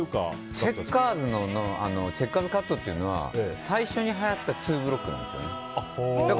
チェッカーズカットというのは最初にはやったツーブロックなんですよ。